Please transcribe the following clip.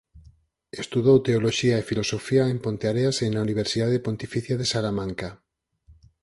Estudou teoloxía e filosofía en Ponteareas e na Universidade Pontificia de Salamanca.